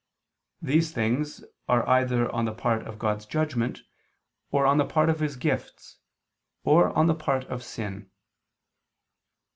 These things are either on the part of God's judgment, or on the part of His gifts, or on the part of sin.